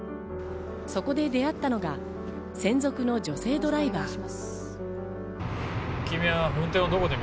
そこで出会ったのが専属の女性ドライバー。